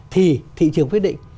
thì thị trường quyết định